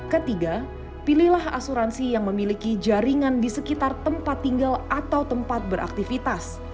ketiga pilihlah asuransi yang memiliki jaringan di sekitar tempat tinggal atau tempat beraktivitas